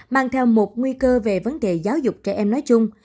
mang theo một nguy cơ về vấn đề giáo dục trẻ em nói chung